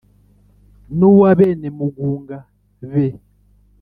n' uw abenemugunga be